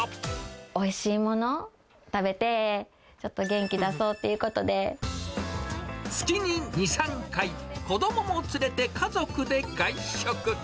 おいしいもの食べて、ちょっ月に２、３回、子どもも連れて家族で外食。